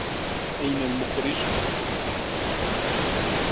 أين المخرج؟